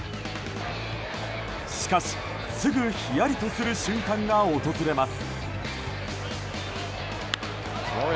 しかし、すぐひやりとする瞬間が訪れます。